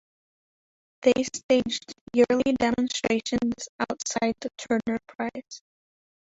They staged yearly demonstrations outside the Turner Prize.